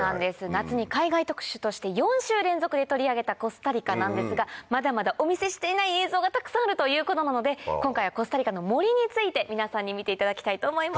夏に海外特集として４週連続で取り上げたコスタリカなんですがまだまだお見せしていない映像がたくさんあるということなので今回はコスタリカの森について皆さんに見ていただきたいと思います。